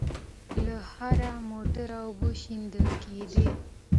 له هره موټره اوبه شېندل کېدې.